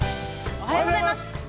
◆おはようございます！